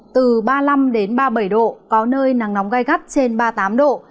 từ ba mươi năm đến ba mươi bảy độ có nơi nắng nóng gai gắt trên ba mươi tám độ